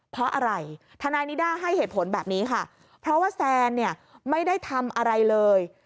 เพราะอะไรทนายนิด้าให้เหตุผลแบบนี้ค่ะเพราะว่าแซนเนี่ยไม่ได้ทำอะไรเลย